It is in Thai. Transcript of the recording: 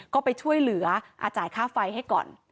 ก็ไปช่วยเหลือจ่ายค่าไฟให้ก่อน